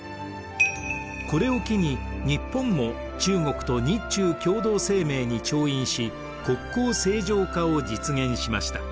これを機に日本も中国と日中共同声明に調印し国交正常化を実現しました。